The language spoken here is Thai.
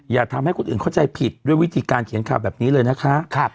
อย่าทำให้คนอื่นเข้าใจผิดด้วยวิธีการเขียนข่าวแบบนี้เลยนะคะ